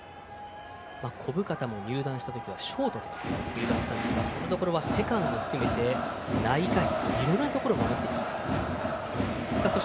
小深田も入団したときはショートで入団したんですがこのところはセカンドも含めて内外、いろんなところを守っています。